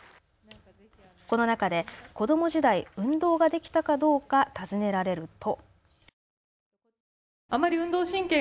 この中で子ども時代、運動ができたかどうか尋ねられると。